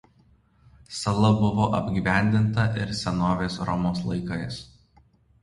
Sala buvo apgyvendinta ir senovės Romos laikais.